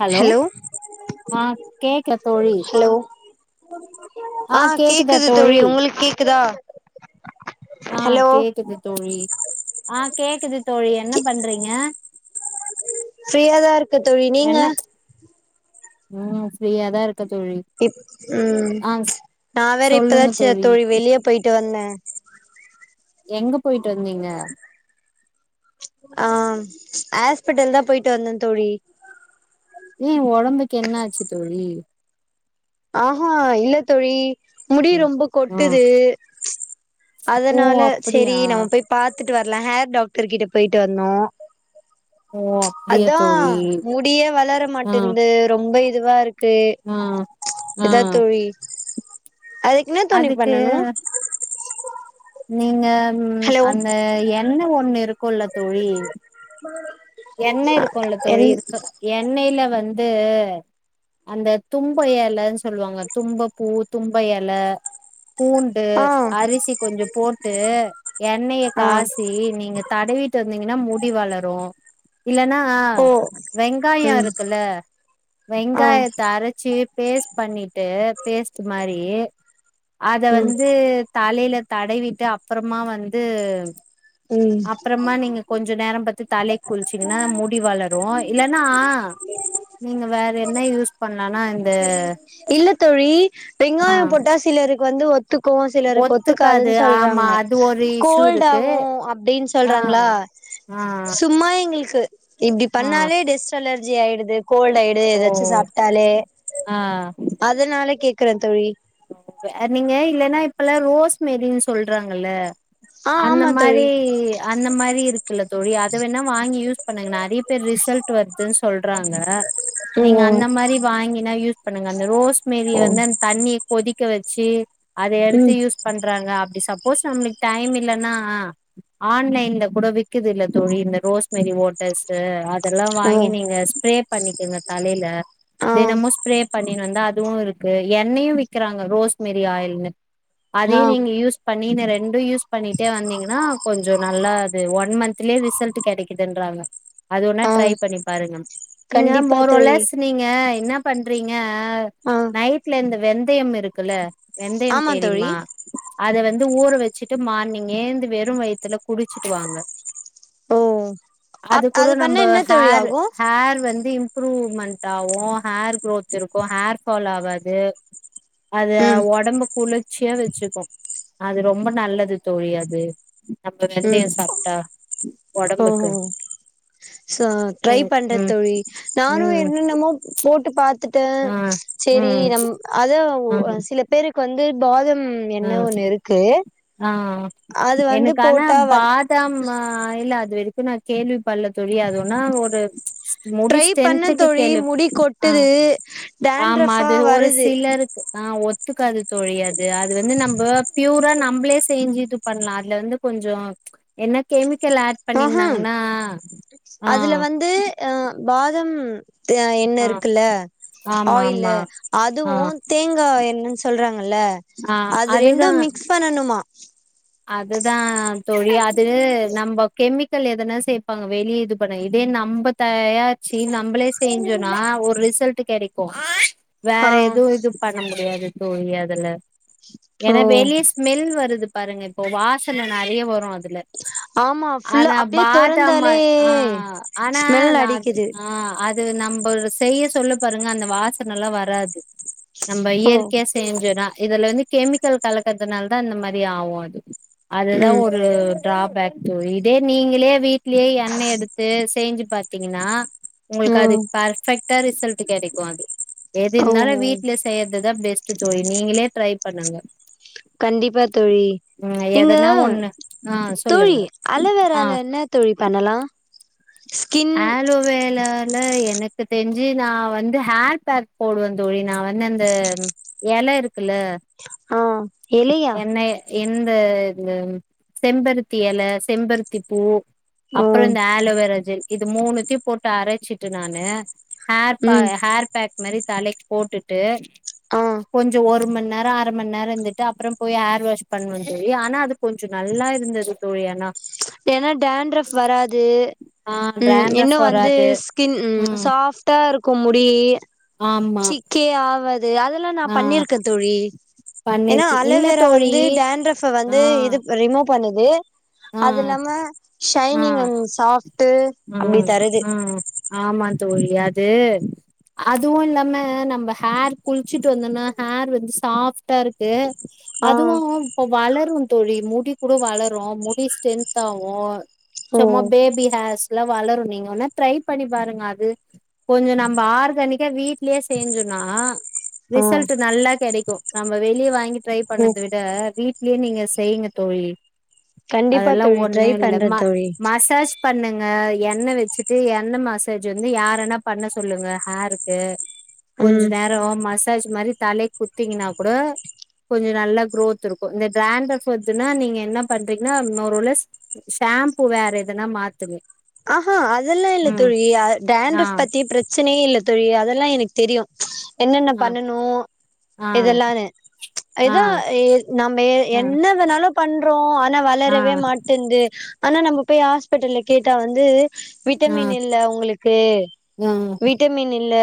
hello ஆ கேக்ல தோழி ஹலோ ஆ கேக்குது தோழி உங்களுக் கேக்குதா ஆ ஹலோ கேக்குது தோழி ஆ கேக்குது தோழி என்ன பண்றீங்க ஃப்ரியாதா ருக் என்ன ம் ஃப்ரீயாதா ருக்க தோழி இப் உம் ஆ நா வேற இப்பதா ச தோழி வெளிய போயிட்டு வந்த எங்க போயிட்டு வந்தீங்க ஆ ஹாஸ்பிட்டல் தா போய்ட்டு வந்தே தோழி ஏ ஒடம்புக்கு என்னாச்சு தோழி ஆஹா இல்ல தோழி முடி ம் ரொம்ப ஆ கொட்டுது ஓ அதனால செரி அப்டியா நம்ம போய் பாத்துட்டு வர்லா ஹேர் டாக்டர் கிட்ட போயிட்டு வந்தோ ஓ அப்டியா அதான் தோழி முடியே வளர ஆ மாட்டேங்து ரொம்ப இதுவா இருக்கு ஆ ஆ இதா தோழி அதுக்கு என்ன தோழி அதுக்கு பண்ணணும் நீங்க ஹலோ அந்த எண்ண ஒண்ணு இருக்கும்ல தோழி [inaudible] எண்ணெய் இருக்கும்ல தோழி என் இதுக்கு எண்ணெயில வந்து அந்த தும்ப எலன்னு சொல்லுவாங்க தும்ப பூ தும்ப எல பூ ட்டு ஆ அரிசி கொஞ்சம் போட்டு எண்ணெய ஆ காசி நீங்க தடவிட்டு வந்தீங்கன்னா முடி வளரும் இல்லன்னா ஓ வெங்காயம் ம் இருக்குல்ல ஆ வெங்காயத்த அரைச்சு பேஸ்ட் பண்ணிட்டு பேஸ்ட் மாறி அத ம் வந்து தலையில தடவிட்டு அப்புறமா வந்து ம் அப்புறமா நீங்க கொஞ்ச நேரம் பாத்து தலைக்கு குளிச்சீங்கன்னா முடி வளரும் இல்லன்னா நீங்க வேற என்ன யூஸ் பண்ணலா இந்த இல்லத்தோழி ஆ வெங்காயம் போட்டா சிலருக்கு வந்து ஒத்துக்கும் சிலருககு ஒத்துக்காது ஒத்துக்காதுன்னு ஆமா சொல்றாங்க அது ஒரு இஷ்யூ கோல்ட் இருக்கு ஆவும் அப்படின்னு ஆ சொல்றாங்களா ஆ சும்மா எங்களுக்கு இப்டி ஆ பண்ணாலே டெஸ் ட்டு அலர்ஜி ஆயிடுது கோல்டு ஆயிடுது ஓ ஏதாச்சு சாப்பிட்டாலே ஆ அதனால கேக்குறேன் தோழி நீங்க இல்லன்னா இப்பெல்லாம் ரோஸ் மேரின்னு சொல்றாங்கல்லே ஆ அந்த ஆமா மாறி தோழி அந்த மாறி இருக்குல்ல தோழி அத வேணா வாங்கி யூஸ் பண்ணுங்க நிறைய பேர் ரிசல்ட் வருதுன்னு சொல்றாங்க நீங்க ம் அந்த மாறி வாங்கினா யூஸ் பண்ணுங்க அந்த ரோஸ் மேரி ஓ வந்து தண்ணிய கொதிக்க வெச்சு அத எடுத்து ம் யூஸ் பண்றாங்க அப்டி சப்போஸ் நம்மளுக்கு டைம் இல்லன்னா ஆன்லைன்ல கூட விக்குதில்ல தோழி இந்த ரோஸ்மேரி ஓட ஸ்சு அதேல்லாம் ஓ வாங்கி நீங்க ஸ்பிரே பண்ணிக்கோங்க தலையில ஆ தினமும் ஸ்பிரே பண்ணினு வந்தா அதுவும் இருக்கு எண்ணெயையும் விக்கிறாங்க ரோஸமேரி ஆயில் ஆ அதையும் நீங்க யூஸ் பண்ணி ரெண்டும் யூஸ் பண்ணிட்டே வந்தீங்கன்னா கொஞ்சம் நல்லா அது ஒன் மந்திலேயே ரிசல்ட் கிடைக்கதுங்குறாங்க அது வேண்ணுன ஆ ட்ரை பண்ணி பாருங்க நீங்க கண்டிப்பா மோர் ஓர் தோழி லெஸ் நீங்க என்ன பண்றீங்க ஆ நைட்ல இந்த வெந்தயம் இருக்குல்ல வெந்தயம் ஆமா தோழி தெரியுமா அத வந்து ஊற வச்சிட்டு மார்னிங்கேந்து வெறும் வயிறத்துல குடிச்சுட்டு வாங்க ஓ அது அப் கூட பண்ணா நம்ம என்ன தோழி ஹேர் ஆகு ஹேர் வந்து இம்ப்ரூவ்மெண்ட் ஆகும் ஹேர் குரோத் இருக்கும் ஹேர் ஃபால் ஆகாது அது ம் உடம்பு குளிர்ச்சியா வெச்சிக்கும் அது ரொம்ப நல்லது தோழி அது அந்த ம் வெந்தயம் சாப்பிட்டா உடம்புக்கு ஓஹோ சோ ட்ரை பண்றேன் ம் தோழி நானும் ம் என்ன என்னமோ போட்டு பாத்துட்டேன் ஆ சரி ம் நம் அத ம் சில பேருக்கு வந்து பாதம் எண்ணெய் ம் ஒண்ணு இருக்கு ஆ அது வந்து எனக்கு ஆனா போட்டா வ பாதாம் ஆயில் அது வரைக்கும் நான் கேள்வி பல்லத் தோழி அதுன்னா ஒரு முடி ஸ்ட்ரென்துக்கு கேளு விட்டுது ஆமா அது ஒரு சிலருக்கு ஆ ஒத்துக்காது தோழி அது வந்து நம்ப ப்யூரா நம்மளே செஞ்சு இது பண்ணலாம் அதுல வந்து கொஞ்சம் என்ன கெமிக்கல் ஆட் ஆஹா பண்ணியிருந்தாங்கன்னா ஆ அதுல வந்து ஆ பாதம் அ எண்ணெய் ஆ இருக்குல்ல ஆமா ஆமா ஆயிலு ஆ அதுவு தேங்காய் எண்ணெனு சொல்றாங்கல ஆ அது அதுதா ரெண்டும் மிக்ஸ் பண்ணணுமா அதுதா தோழி அது நம்ப கெமிக்கல் எதனா சேப்பாங்க வெளியே இது பண்ண இதே நம்ம தயாரிச்சு நம்மளே செஞ்சோனா ஒரு ரிசல்ட் கிடைக்கு வேற ஆ எதுவு இது பண்ண முடியாது தோழி அதுல ஏனா ஓ வெளிய ஸ்மெல் வர் பாருங்க இப்போ வாசன நெறய வரு அது ஆமா ஃபுல்லா ஆனா அப்டியே பாதாம் தொறந்தாலே ஆயில் ஆ ஆனா ஸ்மெல் நா அது அடிக்குது ஆ அ நம்ப செய்ய சொல்ல பாருங்க அந்த வாசனலா வராது நம்ம ஓ இயற்கையா செஞ்சோனா இதுல வந்து கெமிக்கல் கலக்கறதுனால தா அந்த மாரி ஆவு அது அதுதா ம் ஒரு டிராபோக் தோழி இதே நீங்களே வீட்லேயே எண்ண எடுத்து செஞ்சு பாத்தீங்கன்னா ஓ உங்களுக்கு அது பர்ஃபெக்ட்டா ரிசல்ட் கிடைக்கு அது எது இருந்தாலு ஓஹோ வீட்ல செய்றதுதா பெஸ்ட் தோழி நீங்களே ட்ரை பண்ணுங்க கண்டிப்பா தோழி ம் நீங்க எதனா ஒண்ணு ஆ தோழி சொல்லுங்க ஆ அலோவேரால தோழி பண்ணலா ஸ்கின் அ [unintelligible] வேரால எனக்கு தெரிஞ்சு நா வந்து ஹேர் பேக் போடுவே தோழி நா வந்து அந்த எல இருக்குல்ல ஆ எ [inaudible] யா என்ன எந்த இது செம்பருத்தி எல செம்பருத்தி பூ ஓ அப்றோ இந்த ஆலோவேரா ஜெல் இது மூணுத்தையு போட்டு அரச்சிட்டு நானு ஹேர் ப ம் ஹேர் பேக் மாரி தலைக்கு போட்டுட்டு ஆ கொஞ்சோ ஒரு மண் நேரோ அர மண் நேரோ இருந்துட்டு அப்றோ போய் ஹேர் வாஷ் பண்ணுவே தோழி ஆனா அது கொஞ்சோ நல்லா இருந்தது தோழி ஆனா ஏனா டேண்ட்ரப் வராது ஆ ம் இன்னு ட்ராண்ட்ரஃப் வந்து வராது ஸ்கின் ம் ஷாஃப்டா இருக்கு முடி ஆமா கே ஆவாது அதெல்லா நா ஆ பண்ணிருக்கே தோழி ஏனா பண்ணிருக்கே இல்ல அலோவேரா தோழி வந்து டேன்ட்ரஃப்ப வந்து ஆ இது ரிமூவ் பண்ணுது ஆ அது இல்லாம ஆ ஷைனிங் அண்ட் சாஃப்ட் ம் ம் ஆமா தோழி அது அதுவு இல்லாம நம்ம ஹேர் குளிச்சுட்டு வந்தோம்னா ஹேர் வந்து சாஃப்ட்டாருக்கு ஆ அதுவு இப்ப வளரு தோழி முடி கூட வளரு முடி ஸ்ட்ரென்த் ஆவு ஓ சும்மா பேபி ஹேர்ஸ்லா வளரு நீங்க வேனா ட்ரை பண்ணி பாருங்க அது கொஞ்சோ நம்ம ஆர்கானிக்கா வீட்லயே செஞ்சோனா ஆ ரிசல்ட் நல்லா கிடைக்கு நம்ம வெளிய வாங்கி ட்ரை ஓ பண்ணத வீட் க்ளீனிங்க செய்ங்க தோழி கண்டிப்பா அதெல்லா தோழி ஒண்ணு ட்ரை இல்ல பண்றே ம தோழி மசாஜ் பண்ணுங்க எண்ண வச்சுட்டு எண்ண மசாஜ் வந்து யார வேனா பண்ண சொல்லுங்க ஹேருக்கு கொஞ்ச ம் நேரோ மசாஜ் மாரி தலைக்கு குத்தீங்கன்னா கூட கொஞ்சோ நல்லா குரோத் இருக்கு இந்த டிராண்ட்ரப் வருதுனா நீங்க என்ன பண்றீங்கன்னா இன்னொர் வேளை சி ஷாம்பூ வேற எதனா மாத்துவு ஆஹா அதெல்லா இல்ல தோழி அ ஆ டேன்ட்ரப் பத்தி பிரச்சனயே இல்ல தோழி அதெல்லா எனக்கு தெரியு என்னென்ன ஆ பண்ணனும ஆ இதெல்லானு ஆ ஏதோ எ நம்ம ஆ என்ன வேணாலு பண்றோ ஆனா ஆ வளரவே ஆ மாட்டேந்து ஆனா நம்ம பேய் ஹாஸ்பிட்டல்ல கேட்டா வந்து விட்டமின் இல்ல உங்களுக்கு ஆ விட்ட மீன் இல்ல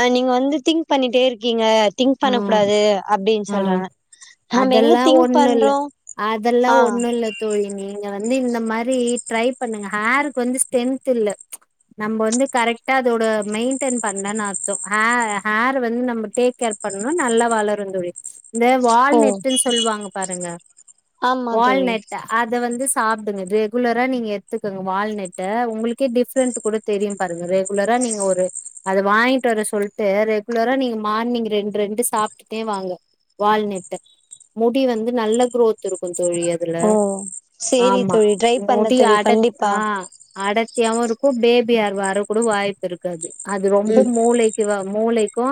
அ நீங்க வந்து திங்க் பண்ணிட்டே இருக்கீங்க திங்க் ஆ பண்ணபுடாது அப்டின்னு ஆ சொல்றாங்க நம்ம எங்க அதெல்லா திங்க் ஒண்ணு இல்ல பண்றோ அதெல்லா ஆ ஒண்ணு இல்ல தோழி நீங்க வந்து இந்த மாரி ட்ரை பண்ணுங்க ஹேருக்கு வந்து ஸ்ரென்த் இல்ல நம்ம வந்து கரெக்டா அதோட மெயின்டென் பண்லன்னு அர்த்தோ ஹ ஹேர் வந்து நம் டே க்கேர் பண்ணா நல்லா வளரு தோழி இந்த ஓ வால்நெட்டுன்னு சொல்லுவாங்க பாருங்க ஆமா தோழி வால்நெட் ட அத வந்து சாப்டுங்க ரெகுலரா நீங்க எத்துக்கங்க வால்நெட்ட உங்களுக்கே டிஃபரெண்ட் குடு தெரியு பாருங்க ரெகுலரா நீங்க ஒரு அத வாங்கிட்டு வர சொல்ட்டு ரெகுலரா நீங்க மார்னிங் ரெண்டு ரெண்டு சாப்ட்டுட்டே வாங்க வால்நெட்ட முடி வந்து நல்ல குரோத் இருக்கு தோழிய துல ஓ சேரி ஆமா தோழி ட்ரை பண்ற முடி தோழி அட கண்டிப்பா ஆ அடத்தியாவுருக்கு பேபிகேர் வர கூட வாய்ப்பு இருக்கு அது அது ரொம்ப மூளை க்கிவ மூளைக்கு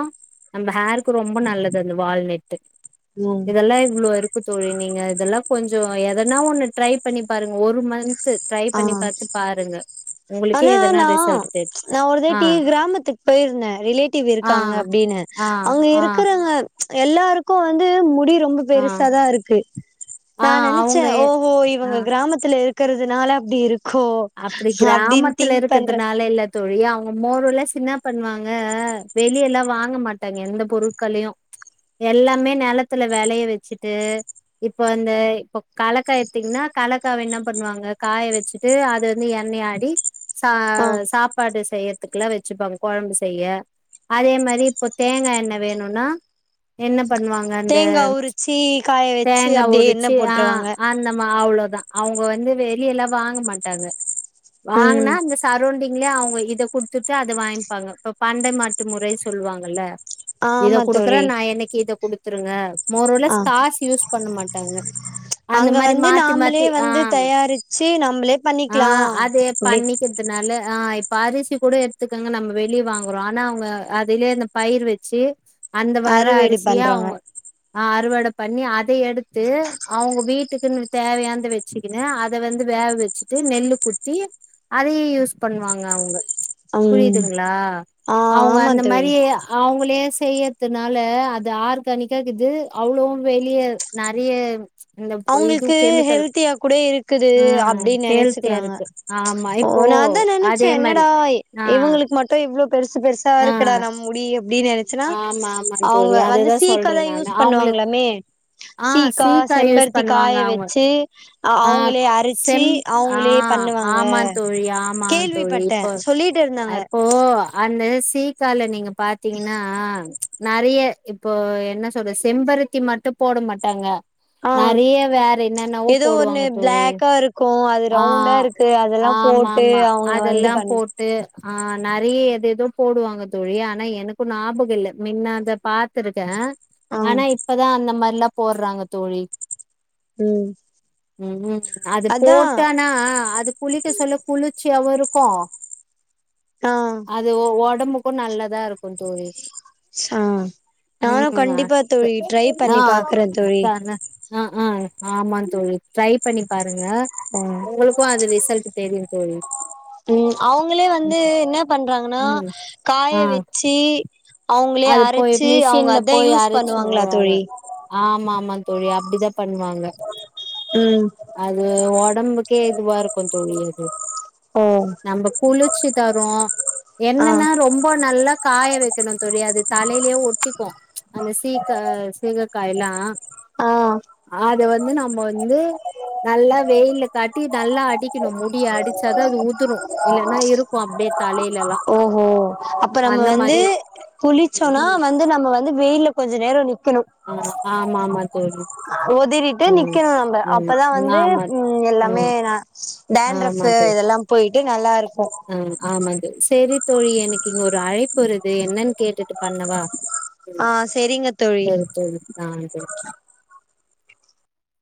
அந்த ஹேருக்கு ரொம்ப நல்லது அந்த வால்நெட்டு இதெல்லா இவ்ளோ இரு க்குத் தோழி நீங்க இதெல்லா கொஞ்சோ எதனா ஒண்ணு ட்ரை பண்ணி பாருங்க ஒரு மந்து ட்ரை ஆ பண்ணி பாத்து பாருங்க உங்களுக்கே ஆனா எதனா நா ரிசல்ட் தெரியு நா ஒரு ஆ தேட்டி கிராமத்துக்கு போயிருந்தே ரிலேட்டிவ் ஆ இருக்காங்க அப்டினு ஆ அங்க ஆ இருக்கறவங்க எல்லாருக்கு வந்து முடி ரொம்ப ஆ பெருசாதா இருக்கு ஆ நா நெனச்சே அவங்க ஓஹோ ஆ இவுங்க கிராமத்துல இருக்கிறதுனால இப்டி இருக் அப்டி கிராமத்துல பண்றே இருக்கிறதுனால இல்ல தோழி அவுங்க மோர்ஓலெஸ் என்ன பண்ணுவாங்க வெளியெல்லா வாங்க மாட்டாங்க எந்த பொருட்களையு எல்லாமே நெலத்துல வெளைய வச்சுட்டு இப்போ அந்த இப்போ கலாக்கா எடுத்தீங்கன்னா கலாக்காவ என்ன பண்ணுவாங்க காய வச்சுட்டு அ அத வந்து எண்ணயாடி ச ஆ சாப்பாடு செய்றத்துக்கெல்லா வச்சுப்பாங்க கொழம்பு செய்ய அதே மாரி இப்போ தேங்காயெண்ண வேணுனா என்ன பண்ணுவாங் க அந்த தேங்கா உரிச்சி காய வச்சு தேங்கா அப்டியே எண்ணெ உரிச்சு ஆ போட்ருவாங்க அந்தமா அவ்ளோதா அவுங்க வந்து வெளியெல்லா வாங்க மாட்டாங்க வாங்கனா ம் அந்த ஸ் சரௌண்டிங்லே அவுங்க இத குடுத்துட்டு அத வாங்கிப்பாங்க இப்ப பண்டை மாட்டு முறை சொல்வாங்கல்ல இத ஆமா குடுக்குறே தோழி நா என்னைக்கி இத குடுத்துருங்க ஆ மோர்ஓலெஸ் காஸ் யூஸ் பண்ண மாட்டாங்க அந்த மாரி மாத்தி மாத்தி ஆ சீ நம்ளே பண்ணிக்லா அப்டி அதுனால ஆ இப்ப அரிசி கூட எத்துக்குங்க நம்ம வெளிய வாங்குறோ ஆனா அவுங்க அதிலேந்த பயிர் வச்சு அந்த வர்ற அறுவடை அரிசிய பண்றாங்க அவுங் ஆ அறுவட பண்ணி அத எடுத்து அவுங்க வீட்டுக்குன் தேவயாந்த வச் வச்சுக்கினு அத வந்து வேவச்சு ட்டு நெல்லு குத்தி அதையே யூஸ் பண்ணுவாங்க அவுங்க ம் புரிதுங்ளா ஆ அவுங்க ஆமா அந்த தோழி மாரியே அவுங்களே செய்யதுனால அது ஆர்கானிக்காக்கிது அவ்ளோவு வெளிய நெறைய இந்த இது அவுங்ளுக்கு கெமிக்கல் ஹெல்த்தியா கூட இருக்குது ஆ அப்டின் ஹெல்த்தியா நெனச்சுக்கிறாங்க இருக்கு ஆமா ஓ இப்போ நா அதா நெனச்ச அதே மாரி என்னடா ஆ இவுங்களுக்கு மட் டு இவ்ளோ பெருசு பெருசா ஆ இருக்குடா நம் முடி அப்டீன் நென ச்சுனா ஆமா ஆமா தோழி அவுங்க வந்து அததா சொல்றே சீக்காதா நானு யூஸ் அவங்களுக்கு பண்ணுவாங்ளாமே ஆ சீக்கா யூஸ் செம்பர் பண்ணுவாங்க த்திக்காய அவங்க வெச்சு ஆ அவுங்களே அரச்சு செம் ஆ அவுங்களே பண்ணுவாங்க ஆமா தோழி ஆமா தோழி கேள்விப்பட்டே இப்போ சொல்லீட்டிருந்தாங்க அப்போ அந்த சீயக்கால நீங்க பாத்தீங்கன்னா நறைய இப்போ என்ன சொல்றது செம்பருத்தி மட்டு போட மாட்டாங்க ஆ நறைய வேற என்னன்னவோ ஏதோ ஒண்ணு போடுவாங்க தோழி பிளாக்கா இருக்கு அது ஆ ரவுண்டா இருக்கு அதெல்லா ஆமா போட்டு ஆமா அவங்க வந்து அதெல்லாம் பண் போட் டு ஆ நறைய எதெதோ போடுவாங்க தோழி ஆனா எனக் இப்போ ஞாபக இல்ல மின்ன அத பாத்துருக்கே ஆ ஆனா இப் இப்பதா அந்த மாரில்லா போட்றாங்க தோழி ம் ம் ம் அது அதா போட்டானா அது குளிக்க சொல்ல குளிச்ர்சியாவு இருக்கு ஆ அது ஒடம்புக் கு நல்லதா இருக்கு தோழி ஆ நானு ம் கண்டிப்பா அது தோழி ட்ரை ஆ பண்ணி பாக்குறே தோழி தான அ அ ஆமா தோழி ட்ரை பண்ணி பாருங்க உங்களுக்கு அது ரிசல்ட்டு தெரியு தோழி ம் அவுங்களே வந்து ம் என்ன பண்றாங்கன்னா ம் காய ஆ வெச்சு சி அவுங்களே அது போய் அரச்சு அவுங்க மிஷின்ல அதா போய் யூஸ் அரைச்சுனு பண்ணுவாங்களா வருவாங்க தோழி ஆமா ஆமா தோழி அப்டிதா பண்ணுவாங்க ம் அது ஒடம்புக்கே இதுவா இருக்கு தோழி அது ஓ நம்ப குளிர்ச்சி தரு ஆ என்னன்னா ரொம்ப நல்லா காய வைக்கணு தோழி அது தலைலயே ஒட்டிக்கு அந்த சீக்கா சீகக்காயல்லா ஆ அத வந்து நம்ம வந்து நல்லா வெயில்ல காட்டி நல்லா அடிக்கணு முடிய அடிச்சாதா அது உதுரு இல்லேன்னா இருக்கு அப்டியே தலைலெல்லா ஓஹோ அப்ப நம்ம வந்து குளிச்சோன்னா ம் வந்து நம்ம வந்து வெயில்ல கொஞ்ச நேரோ நிக் ஆ ஆமா ஆமா தோழி உதறிட்டு ம் நிக்கணும் நம்ப அப்பதா ம் வந்து ஆமா எல்லாமே ம் ந ஆமா டேண்ட்ரஃப்பு தோழி இதெல்லாம் போயிட்டு நல்லா இருக்கு ஆ ஆமாங்க செரி தோழி எனக்கு இங்க ஒரு அழைப்பு வருது என்னன்னு கேட்டுட்டு பண்ணவா ஆ ம் செரிங்க தோழி செரி தோழி ஆ